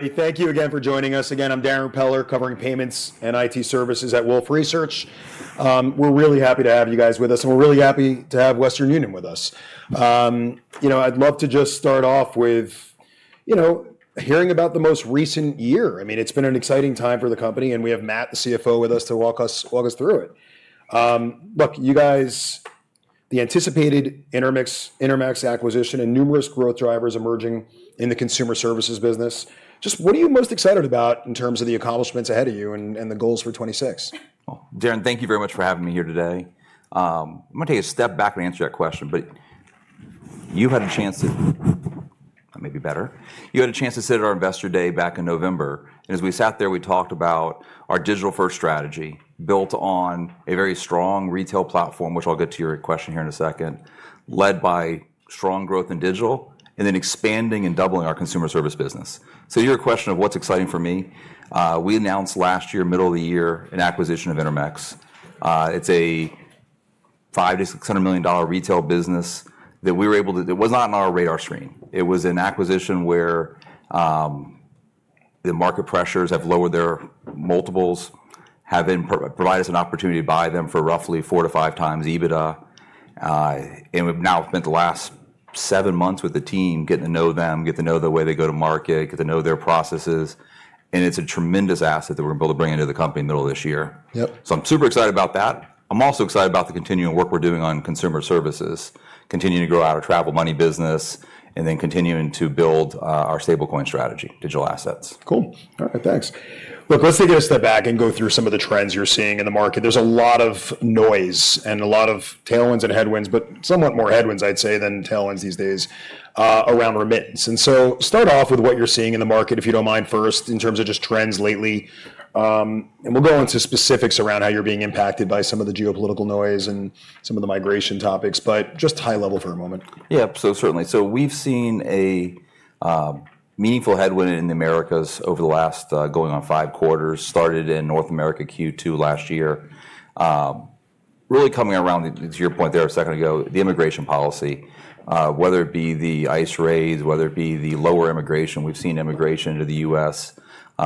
All right, everybody. Thank you again for joining us. Again, I'm Darrin Peller, covering Payments and IT services at Wolfe Research. We're really happy to have you guys with us, and we're really happy to have Western Union with us. You know, I'd love to just start off with, you know, hearing about the most recent year. I mean, it's been an exciting time for the company, and we have Matt, the CFO, with us to walk us through it. Look, you guys, the anticipated Intermex acquisition and numerous growth drivers emerging in the Consumer Services business, just what are you most excited about in terms of the accomplishments ahead of you and the goals for 2026? Well, Darrin, thank you very much for having me here today. I'm gonna take a step back and answer that question, but you had a chance to sit at our Investor Day back in November, and as we sat there, we talked about our digital-first strategy built on a very strong retail platform, which I'll get to your question here in a second, led by strong growth in digital and then expanding and doubling our Consumer Services business. To your question of what's exciting for me, we announced last year, middle of the year, an acquisition of Intermex. It's a $500 million-$600 million retail business. It was not on our radar screen. It was an acquisition where the market pressures have lowered their multiples and provided us an opportunity to buy them for roughly 4x-5x EBITDA. We've now spent the last seven months with the team getting to know them, the way they go to market, and their processes, and it's a tremendous asset that we're able to bring into the company middle of this year. Yep. I'm super excited about that. I'm also excited about the continuing work we're doing on Consumer Services, continuing to grow our Travel Money business, and then continuing to build our stablecoin strategy, Digital Assets. Cool. All right. Thanks. Look, let's take a step back and go through some of the trends you're seeing in the market. There's a lot of noise and a lot of tailwinds and headwinds, but somewhat more headwinds, I'd say, than tailwinds these days, around remittance. Start off with what you're seeing in the market, if you don't mind first, in terms of just trends lately. We'll go into specifics around how you're being impacted by some of the geopolitical noise and some of the migration topics, but just high level for a moment. Yeah, absolutely. We've seen a meaningful headwind in Americas over the last going on five quarters, started in North America Q2 last year. Really coming around to your point there a second ago, the immigration policy, whether it be the ICE raids, whether it be the lower immigration. We've seen immigration to the U.S.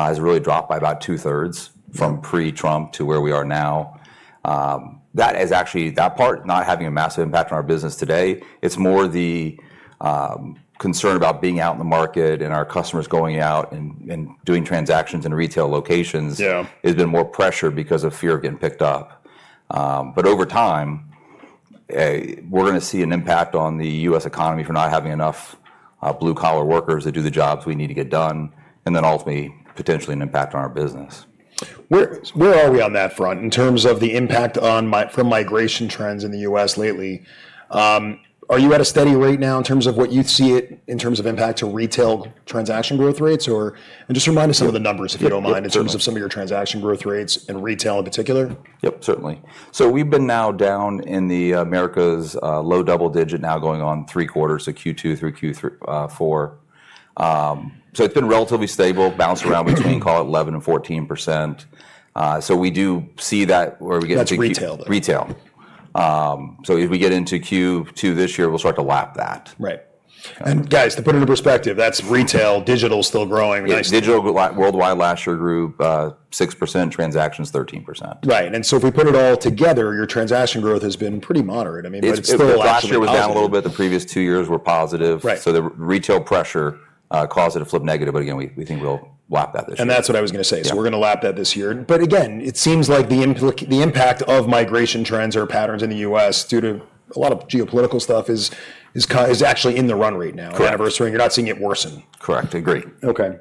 has really dropped by about two-thirds from pre-Trump to where we are now. That is actually. That part not having a massive impact on our business today. It's more the concern about being out in the market and our customers going out and doing transactions in retail locations. Yeah. There's been more pressure because of fear of getting picked up. Over time, we're gonna see an impact on the U.S. economy for not having enough blue-collar workers to do the jobs we need to get done, and then ultimately, potentially an impact on our business. Where are we on that front in terms of the impact from migration trends in the U.S. lately? Are you at a steady rate now in terms of what you see it in terms of impact to retail transaction growth rates? Just remind us some of the numbers, if you don't mind, in terms of some of your transaction growth rates in retail in particular. Yep, certainly. We've been now down in the Americas, low double-digit now going on three quarters, so Q2 through Q4. It's been relatively stable, bounced around between call it 11%-14%. We do see that where we get into Q2. That's retail though. Retail. If we get into Q2 this year, we'll start to lap that. Right. Guys, to put it into perspective, that's retail. Digital's still growing nicely. Yeah. Digital grew worldwide last year 6%, transactions 13%. Right. If we put it all together, your transaction growth has been pretty moderate. I mean, but it's still actually positive. Last year was down a little bit. The previous two years were positive. Right. The retail pressure caused it to flip negative, but again, we think we'll lap that this year. That's what I was gonna say. We're gonna lap that this year. Again, it seems like the impact of migration trends or patterns in the U.S. due to a lot of geopolitical stuff is actually in the run rate now. I'm assuming you're not seeing it worsen. Correct. Agree. Okay.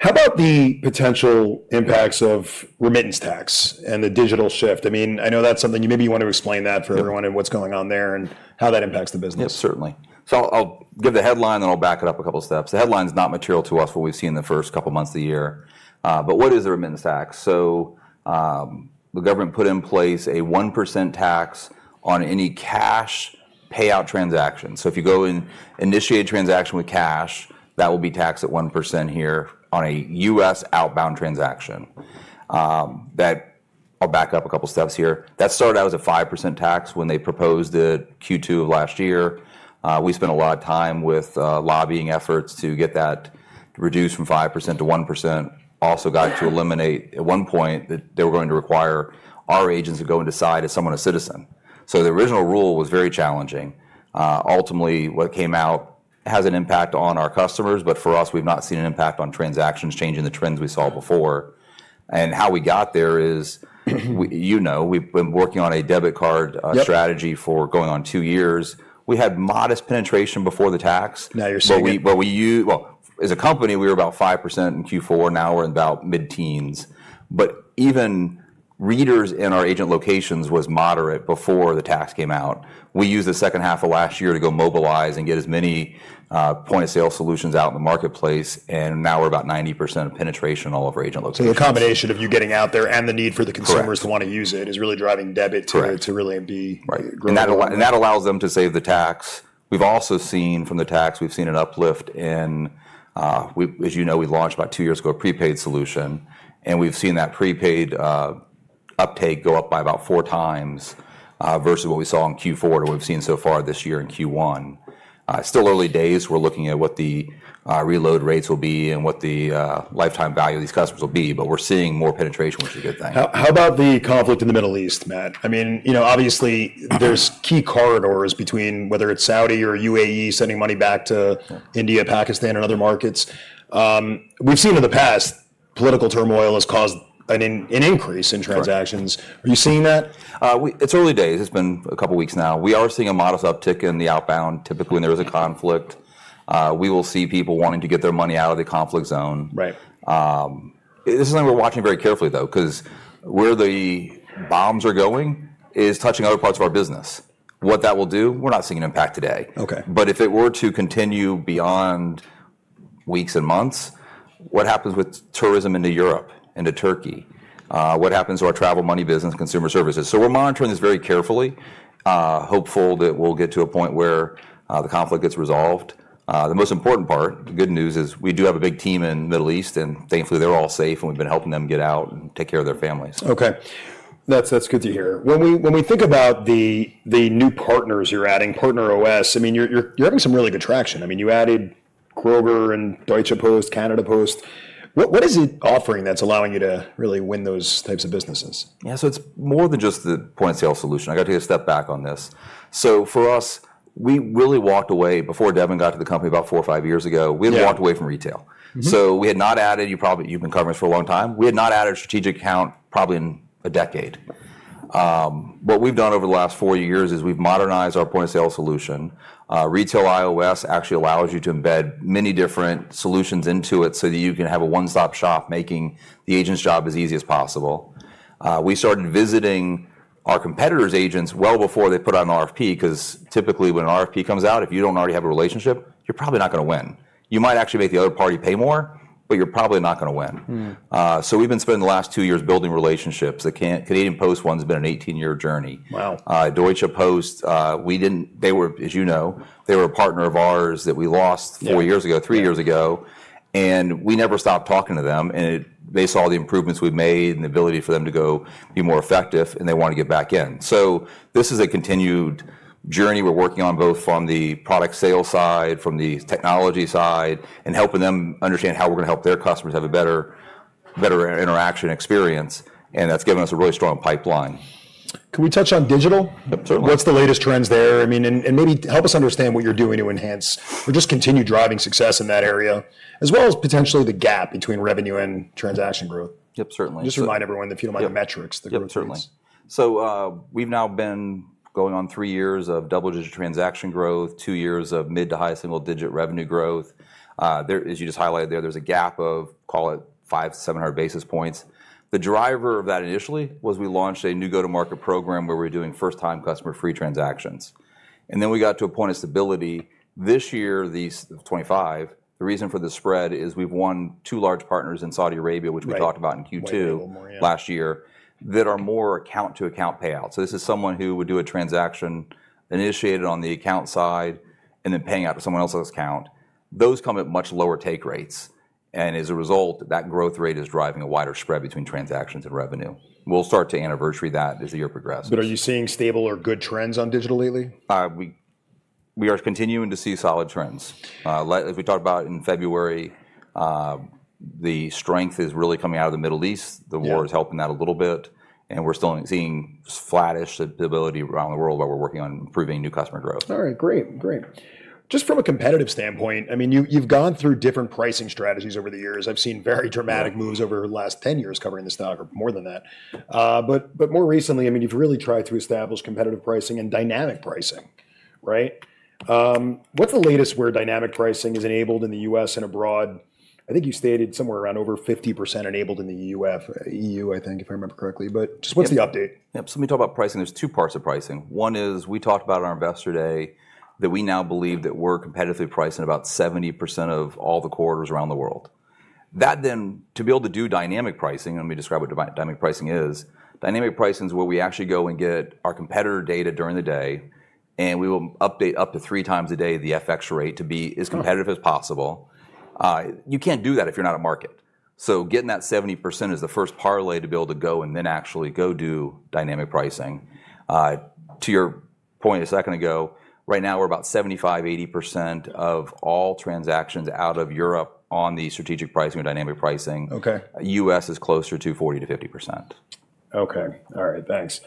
How about the potential impacts of Remittance Tax and the digital shift? I mean, I know that's something you maybe want to explain that for everyone and what's going on there and how that impacts the business. Yeah, certainly. I'll give the headline, then I'll back it up a couple steps. The headline's not material to us, what we've seen the first couple months of the year. But what is the Remittance Tax? The government put in place a 1% tax on any cash payout transaction. If you go and initiate a transaction with cash, that will be taxed at 1% here on a U.S. Outbound Transaction. I'll back up a couple steps here. That started out as a 5% tax when they proposed it Q2 of last year. We spent a lot of time with lobbying efforts to get that reduced from 5% to 1%. Also got to eliminate, at one point, they were going to require our agents to go and decide is someone a citizen. The original rule was very challenging. Ultimately, what came out has an impact on our customers, but for us, we've not seen an impact on transactions changing the trends we saw before. How we got there is, you know, we've been working on a debit card strategy for going on two years. We had modest penetration before the tax. Now you're seeing it. As a company, we were about 5% in Q4. Now we're about mid-teens. Even revenue in our agent locations was moderate before the tax came out. We used the second half of last year to go mobilize and get as many Point of Sale solutions out in the marketplace, and now we're about 90% penetration all over agent locations. The combination of you getting out there and the need for the consumers to wanna use it is really driving debit to really be growing. Correct. Right. That allows them to save the tax. We've also seen from the tax an uplift in. As you know, we launched about two years ago a prepaid solution, and we've seen that prepaid uptake go up by about four times versus what we saw in Q4 to what we've seen so far this year in Q1. Still early days. We're looking at what the reload rates will be and what the lifetime value of these customers will be, but we're seeing more penetration, which is a good thing. How about the conflict in the Middle East, Matt? I mean, you know, obviously there's key corridors between whether it's Saudi or UAE sending money back to India, Pakistan, and other markets. We've seen in the past political turmoil has caused an increase in transactions. Are you seeing that? It's early days. It's been a couple of weeks now. We are seeing a modest uptick in the outbound. Typically when there is a conflict, we will see people wanting to get their money out of the conflict zone. Right. This is something we're watching very carefully though, because where the funds are going is touching other parts of our business. What that will do, we're not seeing an impact today. Okay. If it were to continue beyond weeks and months, what happens with tourism into Europe, into Turkey? What happens to our Travel Money business, Consumer Services? We're monitoring this very carefully, hopeful that we'll get to a point where the conflict gets resolved. The most important part, the good news is we do have a big team in Middle East, and thankfully they're all safe, and we've been helping them get out and take care of their families. Okay. That's good to hear. When we think about the new partners you're adding, Partner OS, I mean, you're having some really good traction. I mean, you added Kroger and Deutsche Post, Canada Post. What is it offering that's allowing you to really win those types of businesses? Yeah. It's more than just the Point of Sale solution. I got to take a step back on this. For us, we really walked away before Devin got to the company about four or five years ago. Yeah. We walked away from retail. You've been covering us for a long time. We had not added a strategic account probably in a decade. What we've done over the last four years is we've modernized our Point of Sale solution. Retail OS actually allows you to embed many different solutions into it so that you can have a one-stop shop making the agent's job as easy as possible. We started visiting our competitors' agents well before they put out an RFP, because typically when an RFP comes out, if you don't already have a relationship, you're probably not gonna win. You might actually make the other party pay more, but you're probably not gonna win. We've been spending the last two years building relationships. The Canada Post one's been an 18-year journey. Wow. Deutsche Post, they were, as you know, they were a partner of ours that we lost. Four years ago, three years ago, and we never stopped talking to them, and they saw the improvements we've made and the ability for them to go be more effective, and they want to get back in. This is a continued journey we're working on, both from the product sales side, from the technology side, and helping them understand how we're gonna help their customers have a better interaction experience, and that's given us a really strong pipeline. Can we touch on digital? Yep, certainly. What's the latest trends there? I mean, and maybe help us understand what you're doing to enhance or just continue driving success in that area, as well as potentially the gap between revenue and transaction growth. Yep, certainly. Just remind everyone the few amount of metrics the group needs. Yep, certainly. We've now been going on three years of double-digit transaction growth, two years of mid- to high single-digit revenue growth. There, as you just highlighted there's a gap of, call it, 500-700 basis points. The driver of that initially was we launched a new go-to-market program where we were doing first-time customer free transactions, and then we got to a point of stability. This year, these 25, the reason for the spread is we've won two large partners in Saudi Arabia which we talked about in Q2. Right. A little more, yeah. Last year, that are more account-to-account payouts. This is someone who would do a transaction, initiate it on the account side, and then paying out to someone else's account. Those come at much lower take rates, and as a result, that growth rate is driving a wider spread between transactions and revenue. We'll start to anniversary that as the year progresses. Are you seeing stable or good trends on digital lately? We are continuing to see solid trends. If we talk about in February, the strength is really coming out of the Middle East. Yeah. The war is helping that a little bit, and we're still seeing flattish stability around the world while we're working on improving new customer growth. All right, great. Great. Just from a competitive standpoint, I mean, you've gone through different pricing strategies over the years. I've seen very dramatic. Moves over the last 10 years covering the stock or more than that. More recently, I mean, you've really tried to establish competitive pricing and dynamic pricing, right? What's the latest where dynamic pricing is enabled in the U.S. and abroad? I think you stated somewhere around over 50% enabled in the EU, I think, if I remember correctly. Just what's the update? Yep. When we talk about pricing, there's two parts of pricing. One is we talked about on our Investor Day that we now believe that we're competitively pricing about 70% of all the corridors around the world. That then, to be able to do dynamic pricing, let me describe what dynamic pricing is. Dynamic pricing is where we actually go and get our competitor data during the day, and we will update up to 3x a day the FX rate to be as competitive as possible. You can't do that if you're not at market. Getting that 70% is the first partway to be able to go and then actually go do dynamic pricing. To your point a second ago, right now we're about 75%-80% of all transactions out of Europe on the strategic pricing or dynamic pricing. U.S. is closer to 40%-50%. Okay. All right, thanks.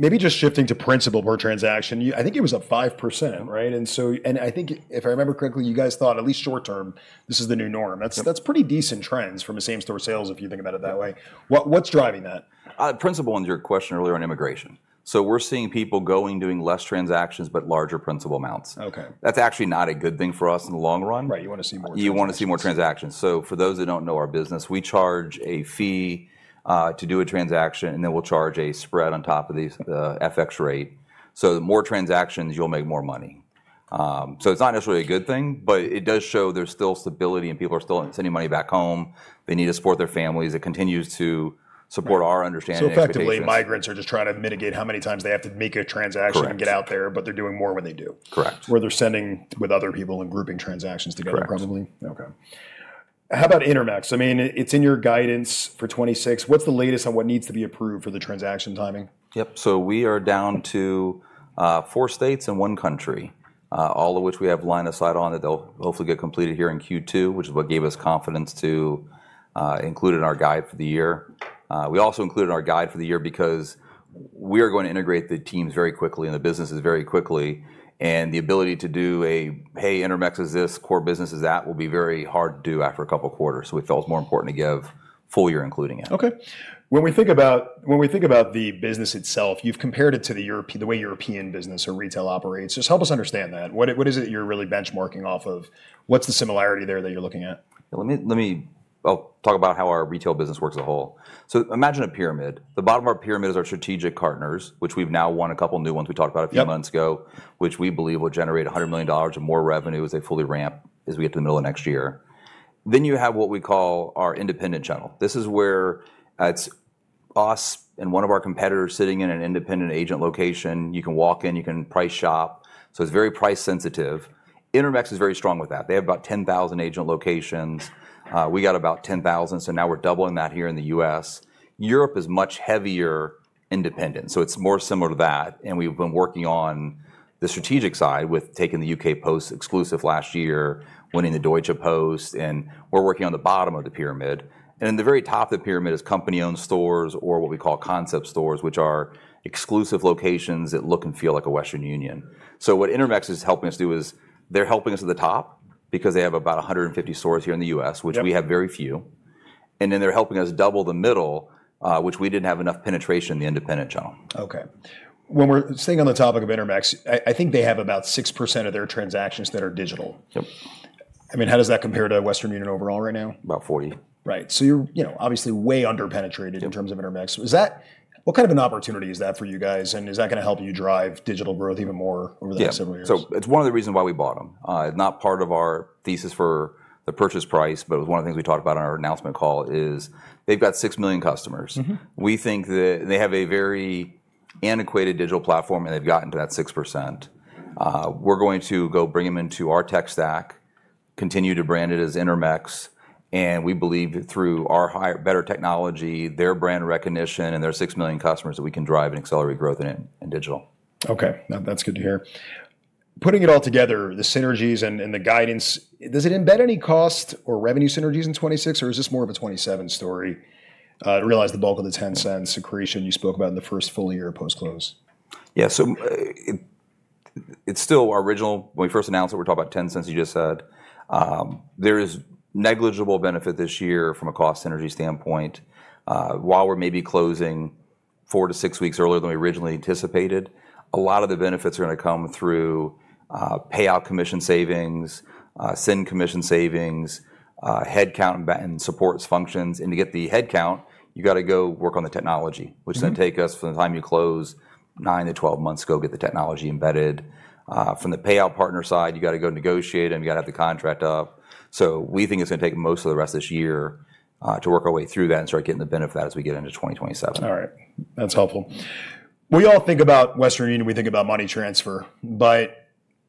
Maybe just shifting to principal per transaction. You, I think it was up 5%, right? I think if I remember correctly, you guys thought at least short term, this is the new norm. That's pretty decent trends from a same-store sales if you think about it that way. What's driving that? Regarding your question earlier on immigration. We're seeing people doing less transactions but larger principal amounts. Okay. That's actually not a good thing for us in the long run. Right. You want to see more transactions. You want to see more transactions. For those that don't know our business, we charge a fee to do a transaction, and then we'll charge a spread on top of the FX rate. The more transactions, you'll make more money. It's not necessarily a good thing, but it does show there's still stability and people are still sending money back home. They need to support their families. It continues to support our understanding and expectation. Effectively, migrants are just trying to mitigate how many times they have to make a transaction. Correct Get out there, but they're doing more when they do. Correct. They're sending with other people and grouping transactions together probably. Correct. Okay. How about Intermex? I mean, it's in your guidance for 2026. What's the latest on what needs to be approved for the transaction timing? Yep. We are down to four states and one country, all of which we have line of sight on that they'll hopefully get completed here in Q2, which is what gave us confidence to include in our guide for the year. We also included our guide for the year because we are going to integrate the teams very quickly and the businesses very quickly, and the ability to do a, "Hey, Intermex is this, core business is that," will be very hard to do after a couple quarters. We felt it was more important to give full year including it. Okay. When we think about the business itself, you've compared it to the way European business or retail operates. Just help us understand that. What is it you're really benchmarking off of? What's the similarity there that you're looking at? Let me. I'll talk about how our retail business works as a whole. Imagine a pyramid. The bottom of our pyramid is our strategic partners, which we've now won a couple new ones, we talked about a few months agowhich we believe will generate $100 million or more revenue as they fully ramp as we get to the middle of next year. You have what we call our independent channel. This is where it's us and one of our competitors sitting in an independent agent location. You can walk in, you can price shop, so it's very price sensitive. Intermex is very strong with that. They have about 10,000 agent locations. We got about 10,000, so now we're doubling that here in the U.S. Europe is much heavier independent, so it's more similar to that, and we've been working on the strategic side with taking the U.K. Post exclusive last year, winning the Deutsche Post, and we're working on the bottom of the pyramid. In the very top of the pyramid is company-owned stores or what we call concept stores, which are exclusive locations that look and feel like a Western Union. What Intermex is helping us do is they're helping us at the top because they have about 150 stores here in the U.S. which we have very few, and then they're helping us double the middle, which we didn't have enough penetration in the independent channel. Okay. When we're staying on the topic of Intermex, I think they have about 6% of their transactions that are digital. I mean, how does that compare to Western Union overall right now? About 40. Right. You're, you know, obviously way under-penetrated. In terms of Intermex, what kind of an opportunity is that for you guys, and is that gonna help you drive digital growth even more over the next several years? Yeah. It's one of the reasons why we bought them. It's not part of our thesis for the purchase price, but it was one of the things we talked about on our announcement call is they've got 6 million customers. We think that they have a very antiquated digital platform, and they've gotten to that 6%. We're going to go bring them into our tech stack, continue to brand it as Intermex, and we believe that through our higher, better technology, their brand recognition, and their 6 million customers, that we can drive and accelerate growth in digital. Okay. No, that's good to hear. Putting it all together, the synergies and the guidance, does it embed any cost or revenue synergies in 2026, or is this more of a 2027 story? To realize the bulk of the $0.10 accretion you spoke about in the first full year post-close. Yeah. It's still our original. When we first announced it, we talked about $0.10, you just said. There is negligible benefit this year from a cost synergy standpoint. While we're maybe closing four to six weeks earlier than we originally anticipated, a lot of the benefits are gonna come through payout commission savings, send commission savings, headcount embed and supports functions. To get the headcount, you gotta go work on the technology, which is gonna take us, from the time you close, 9-12 months to go get the technology embedded. From the payout partner side, you gotta go negotiate and you gotta have the contract up. We think it's gonna take most of the rest of this year to work our way through that and start getting the benefit of that as we get into 2027. All right. That's helpful. We all think about Western Union, we think about Money Transfer, but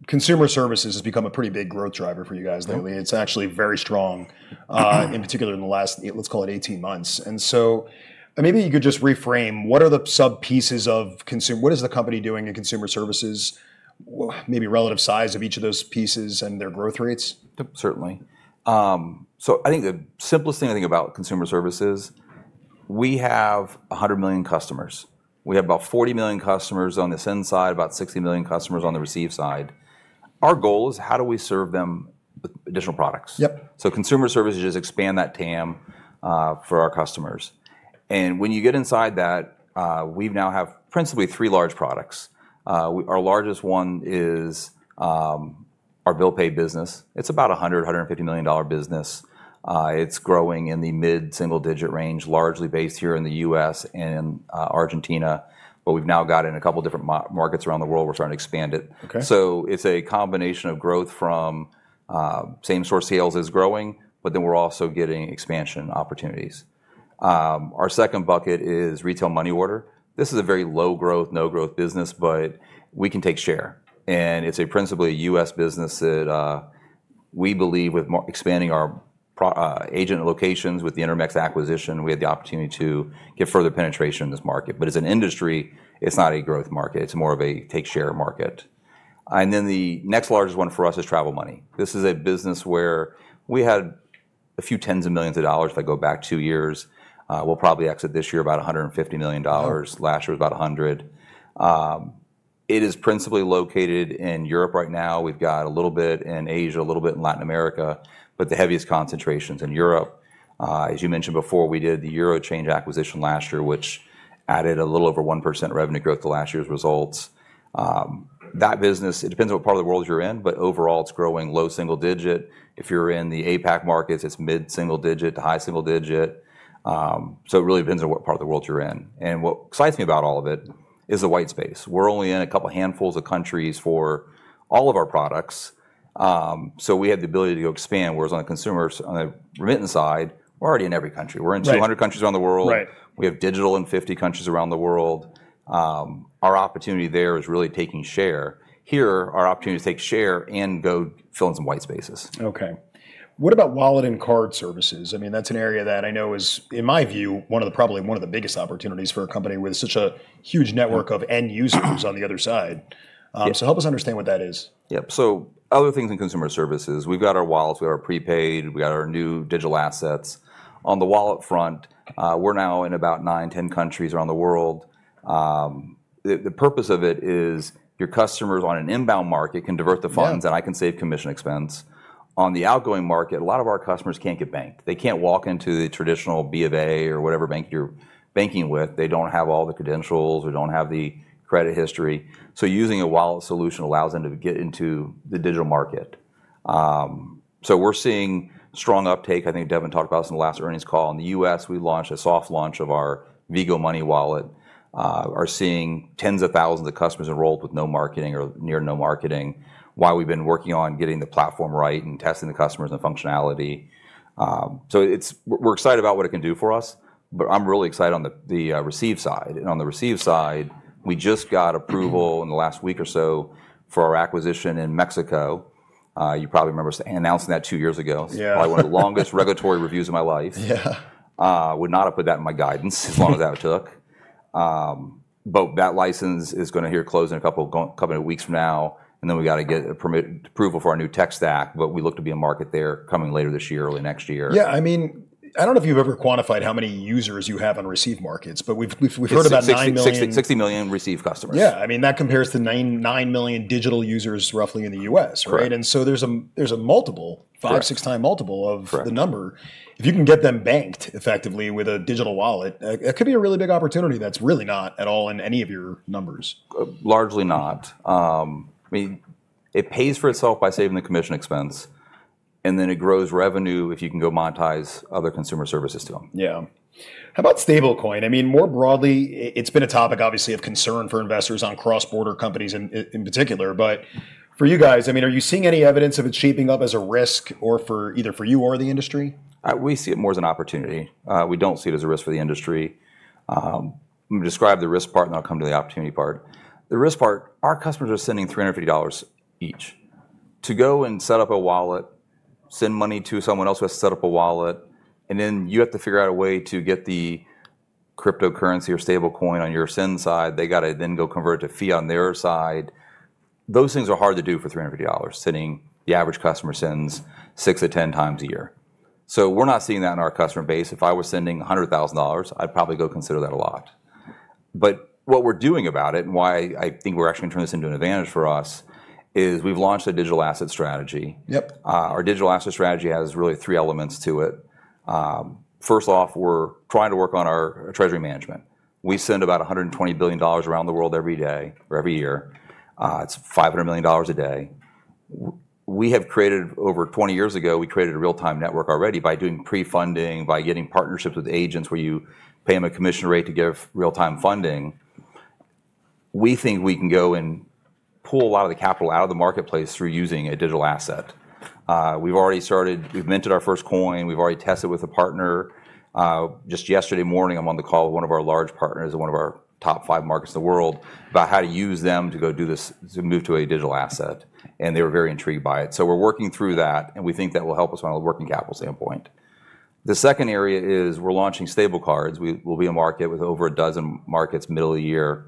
Consumer Services has become a pretty big growth driver for you guys lately. It's actually very strong, in particular in the last, let's call it 18 months. Maybe you could just reframe, what are the sub pieces of Consumer Services, what is the company doing in Consumer Services, maybe relative size of each of those pieces and their growth rates? Yep, certainly. I think the simplest thing, I think, about Consumer Services, we have 100 million customers. We have about 40 million customers on the send side, about 60 million customers on the receive side. Our goal is how do we serve them with additional products? Consumer Services just expand that TAM for our customers. When you get inside that, we now have principally three large products. Our largest one is our Bill Pay business. It's about $100-$150 million business. It's growing in the mid-single digit range, largely based here in the U.S. and Argentina, but we've now got it in a couple different markets around the world. We're trying to expand it. Okay. It's a combination of growth from same store sales is growing, but then we're also getting expansion opportunities. Our second bucket is Retail Money Order. This is a very low growth, no growth business, but we can take share, and it's a principally U.S. business that we believe with expanding our agent locations with the Intermex acquisition, we have the opportunity to get further penetration in this market. As an industry, it's not a growth market. It's more of a take share market. Then the next largest one for us is Travel Money. This is a business where we had $ a few tens of millions if I go back two years. We'll probably exit this year about $150 million. Last year was about 100. It is principally located in Europe right now. We've got a little bit in Asia, a little bit in Latin America, but the heaviest concentration's in Europe. As you mentioned before, we did the eurochange acquisition last year, which added a little over 1% revenue growth to last year's results. That business, it depends on what part of the world you're in, but overall, it's growing low single-digit %. If you're in the APAC markets, it's mid-single-digit to high single-digit %. It really depends on what part of the world you're in. What excites me about all of it is the white space. We're only in a couple handfuls of countries for all of our products, so we have the ability to go expand, whereas on the remittance side, we're already in every country. We're in 200 countries around the world. Right. We have digital in 50 countries around the world. Our opportunity there is really taking share. Here, our opportunity is to take share and go fill in some white spaces. Okay. What about wallet and card services? I mean, that's an area that I know is, in my view, one of the probably one of the biggest opportunities for a company with such a huge network of end users on the other side. Help us understand what that is. Yep. Other things in Consumer Services, we've got our wallets, we got our prepaid, we got our new Digital Assets. On the wallet front, we're now in about nine, 10 countries around the world. The purpose of it is your customers on an inbound market can divert the funds. I can save commission expense. On the outgoing market, a lot of our customers can't get banked. They can't walk into the traditional Bank of America or whatever bank you're banking with. They don't have all the credentials. They don't have the credit history. Using a wallet solution allows them to get into the digital market. We're seeing strong uptake, I think Devin talked about this in the last earnings call. In the U.S., we launched a soft launch of our Vigo Money wallet, are seeing tens of thousands of customers enrolled with no marketing or near no marketing while we've been working on getting the platform right and testing the customers and functionality. We're excited about what it can do for us, but I'm really excited on the receive side. On the receive side, we just got approval in the last week or so for our acquisition in Mexico. You probably remember us announcing that two years ago. It's probably one of the longest regulatory reviews of my life. Yeah. Would not have put that in my guidance as long as that took. That license is gonna close in a couple of weeks from now. We gotta get a permit approval for our new tech stack, but we look to be in market there coming later this year, early next year. Yeah, I mean, I don't know if you've ever quantified how many users you have on receive markets, but we've heard about 90 million. 60 million receive customers. Yeah, I mean, that compares to 99 million digital users roughly in the U.S., right? Correct. There's a multiple, 5-6x multiple of the number. If you can get them banked effectively with a digital wallet, it could be a really big opportunity that's really not at all in any of your numbers. Largely not. I mean, it pays for itself by saving the commission expense, and then it grows revenue if you can go monetize other Consumer Services to them. Yeah. How about stablecoin? I mean, more broadly, it's been a topic obviously of concern for investors on cross-border companies in particular. For you guys, I mean, are you seeing any evidence of it shaping up as a risk or for either you or the industry? We see it more as an opportunity. We don't see it as a risk for the industry. Let me describe the risk part, and then I'll come to the opportunity part. The risk part, our customers are sending $350 each. To go and set up a wallet, send money to someone else who has set up a wallet, and then you have to figure out a way to get the cryptocurrency or stablecoin on your send side, they gotta then go convert a fee on their side. Those things are hard to do for $350. The average customer sends 6x-10x a year. We're not seeing that in our customer base. If I were sending $100,000, I'd probably go consider that a lot. What we're doing about it and why I think we're actually gonna turn this into an advantage for us is we've launched a Digital Asset strategy. Our Digital Asset strategy has really three elements to it. First off, we're trying to work on our treasury management. We send about $120 billion around the world every day or every year. It's $500 million a day. Over 20 years ago, we created a real-time network already by doing pre-funding, by getting partnerships with agents where you pay them a commission rate to give real-time funding. We think we can go and pull a lot of the capital out of the marketplace through using a Digital Asset. We've already started. We've minted our first coin. We've already tested with a partner. Just yesterday morning, I'm on the call with one of our large partners in one of our top five markets in the world about how to use them to go do this, to move to a Digital Asset, and they were very intrigued by it. We're working through that, and we think that will help us on a working capital standpoint. The second area is we're launching stablecoins. We will be in market with over a dozen markets middle of the year.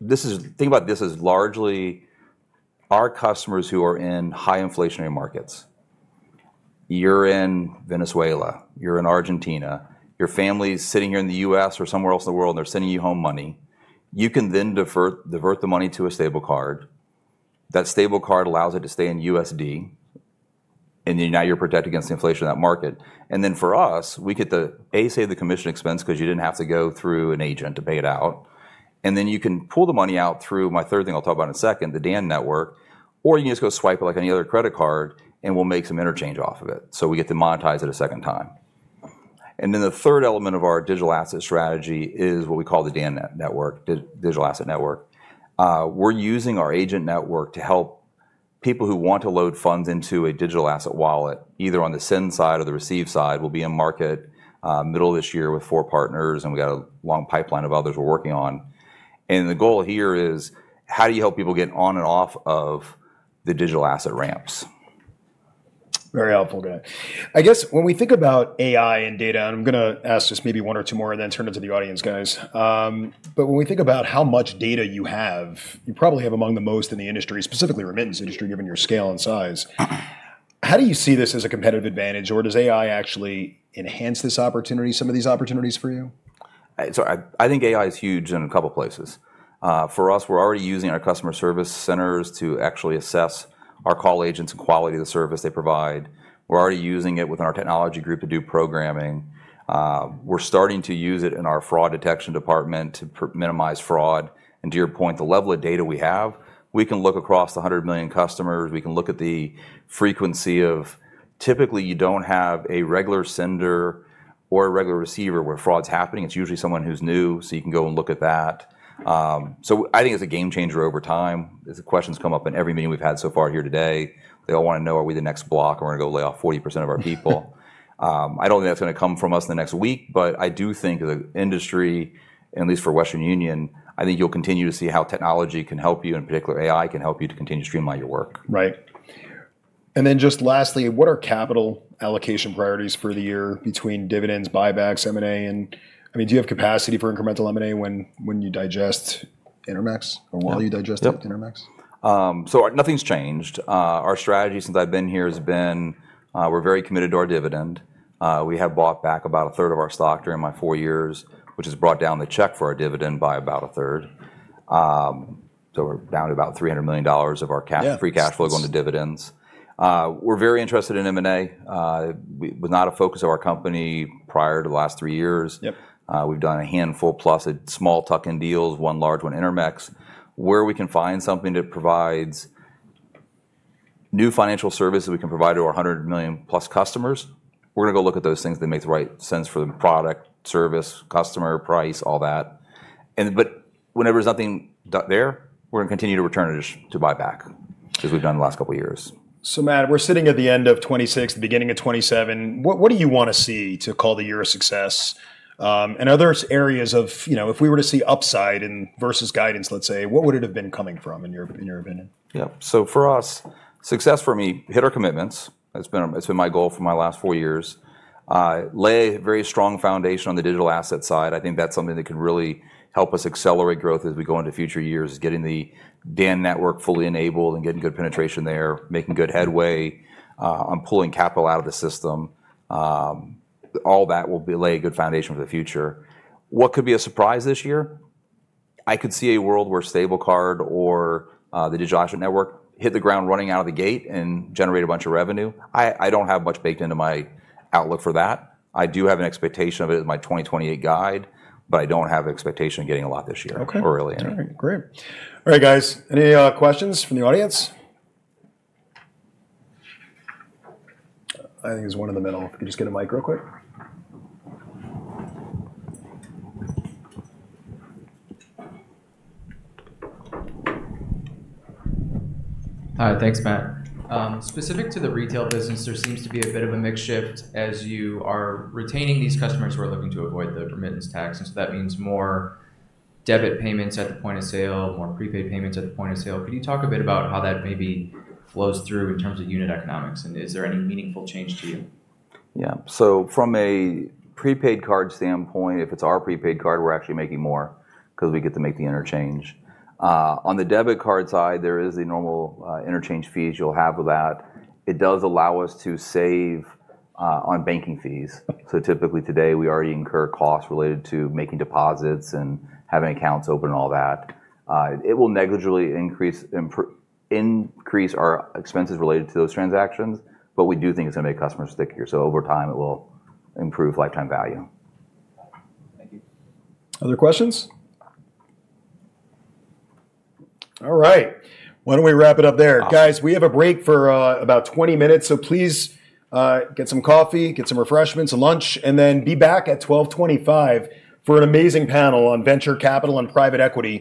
This is. Think about this as largely our customers who are in high inflationary markets. You're in Venezuela. You're in Argentina. Your family's sitting here in the U.S. or somewhere else in the world, and they're sending you home money. You can then divert the money to a stablecoin. That stablecoin allows it to stay in USD, and then now you're protected against the inflation of that market. For us, we get to save the commission expense 'cause you didn't have to go through an agent to pay it out, and then you can pull the money out through my third thing I'll talk about in a second, the DAN network, or you can just go swipe it like any other credit card and we'll make some interchange off of it, so we get to monetize it a second time. The third element of our Digital Asset strategy is what we call the DAN network, Digital Asset Network. We're using our agent network to help people who want to load funds into a Digital Asset wallet, either on the send side or the receive side. We'll be in market middle of this year with four partners, and we got a long pipeline of others we're working on. The goal here is, how do you help people get on and off of the Digital Asset ramps? Very helpful, guys. I guess when we think about AI and data, and I'm gonna ask just maybe one or two more and then turn it to the audience, guys. When we think about how much data you have, you probably have among the most in the industry, specifically remittance industry, given your scale and size. How do you see this as a competitive advantage, or does AI actually enhance this opportunity, some of these opportunities for you? I think AI is huge in a couple places. For us, we're already using our customer service centers to actually assess our call agents and quality of the service they provide. We're already using it within our technology group to do programming. We're starting to use it in our fraud detection department to minimize fraud. To your point, the level of data we have, we can look across the 100 million customers. We can look at the frequency. Typically, you don't have a regular sender or a regular receiver where fraud's happening. It's usually someone who's new, so you can go and look at that. I think it's a game changer over time. The question's come up in every meeting we've had so far here today. They all wanna know are we the next Block or are we gonna go lay off 40% of our people? I don't think that's gonna come from us in the next week, but I do think the industry, and at least for Western Union, I think you'll continue to see how technology can help you, in particular AI can help you to continue to streamline your work. Right. Just lastly, what are capital allocation priorities for the year between dividends, buybacks, M&A? I mean, do you have capacity for incremental M&A when you digest Intermex? While you digest Intermex. Yep. Nothing's changed. Our strategy since I've been here has been, we're very committed to our dividend. We have bought back about a third of our stock during my four years, which has brought down the check for our dividend by about a third. We're down to about $300 million of our free cash flow going to dividends. We're very interested in M&A. Was not a focus of our company prior to the last three years. Yep. We've done a handful plus small tuck-in deals, one large one, Intermex. Where we can find something that provides new financial services we can provide to our 100 million-plus customers, we're gonna go look at those things that makes the right sense for the product, service, customer, price, all that. Whenever there's nothing there, we're gonna continue to return it just to buyback as we've done the last couple of years. Matt, we're sitting at the end of 2026, the beginning of 2027, what do you wanna see to call the year a success? Are there areas of, you know, if we were to see upside versus guidance, let's say, what would it have been coming from in your opinion? Yeah. For us, success for me, hit our commitments. That's been my goal for my last four years. Lay very strong foundation on the Digital Asset side. I think that's something that can really help us accelerate growth as we go into future years, is getting the DAN network fully enabled and getting good penetration there, making good headway on pulling capital out of the system. All that will lay a good foundation for the future. What could be a surprise this year? I could see a world where stablecoin or the Digital Asset Network hit the ground running out of the gate and generate a bunch of revenue. I don't have much baked into my outlook for that. I do have an expectation of it in my 2028 guide, but I don't have expectation of getting a lot this year. Okay. All right. Early anyway. Great. All right, guys. Any questions from the audience? I think there's one in the middle. Can you just get a mic real quick? Hi. Thanks, Matt. Specific to the retail business, there seems to be a bit of a mix shift as you are retaining these customers who are looking to avoid the Remittance Tax. That means more debit payments at the Point of Sale, more prepaid payments at the Point of Sale. Could you talk a bit about how that maybe flows through in terms of unit economics, and is there any meaningful change to you? Yeah. From a prepaid card standpoint, if it's our prepaid card, we're actually making more because we get to make the interchange. On the debit card side, there is the normal, interchange fees you'll have with that. It does allow us to save on banking fees. Typically today, we already incur costs related to making deposits and having accounts open and all that. It will negligibly increase our expenses related to those transactions, but we do think it's gonna make customers stickier. Over time, it will improve lifetime value. Thank you. Other questions? All right. Why don't we wrap it up there? Guys, we have a break for about 20 minutes, so please get some coffee, get some refreshments, a lunch, and then be back at 12:25 P.M. for an amazing panel on venture capital and private equity.